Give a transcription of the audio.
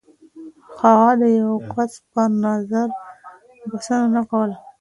هغه د يو کس پر نظر بسنه نه کوله.